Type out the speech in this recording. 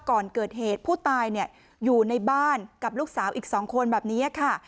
ก่อนเกิดเหตุผู้ตายอยู่ในบ้านกับลูกสาวอีก๒คนแบบนี้ค่ะ